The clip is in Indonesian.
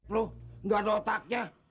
lo gak ada otaknya